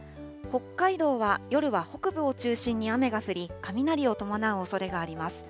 北海道は夜は北部を中心に雨が降り、雷を伴うおそれがあります。